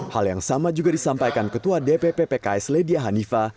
hal yang sama juga disampaikan ketua dpp pks ledia hanifa